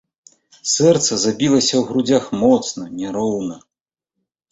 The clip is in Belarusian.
Сэрца забілася ў грудзях моцна, няроўна.